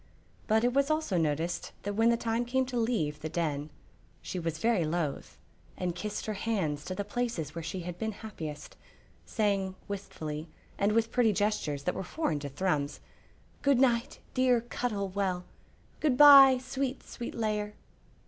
But it was also noticed that when the time came to leave the Den she was very loath, and kissed her hands to the places where she had been happiest, saying, wistfully, and with pretty gestures that were foreign to Thrums, "Good night, dear Cuttle Well! Good by, sweet, sweet Lair!"